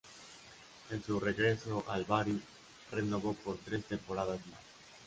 En su regreso al Bari, renovó por tres temporadas más.